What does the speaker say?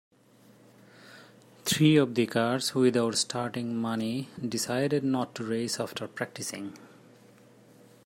Three of the cars without starting money decided not to race after practicing.